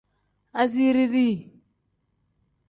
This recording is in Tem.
Asiiri dii.